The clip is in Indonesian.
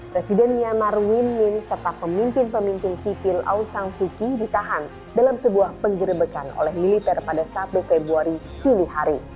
presiden myanmar win min serta pemimpin pemimpin sipil aung san suu kyi ditahan dalam sebuah penggerbekan oleh militer pada satu februari tundi hari